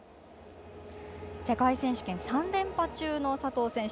世界選手権３連覇中の佐藤選手。